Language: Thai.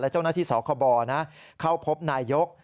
เจ้าหน้าที่สคบเข้าพบนายก